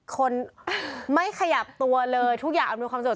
คนไม่ขยับตัวเลยทุกอย่างอำนวยความโด